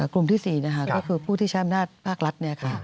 กลุ่มที่๔ก็คือผู้ที่ใช้อำนาจภาครัฐ